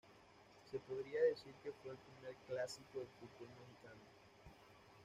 Se podría decir que fue el primer clásico del fútbol mexicano.